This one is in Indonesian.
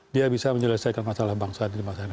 dia bisa menyelesaikan masalah bangsa di masa depan